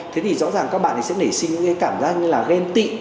thế thì rõ ràng các bạn ấy sẽ nảy sinh những cái cảm giác như là ghen tị